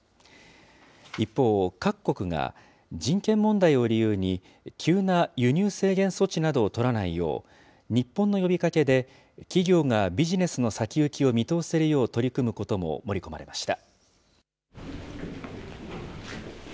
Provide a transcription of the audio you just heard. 一方、各国が人権問題を理由に、急な輸入制限措置などを取らないよう、日本の呼びかけで、企業がビジネスの先行きを見通せるよう取り組むことも盛り込まれました。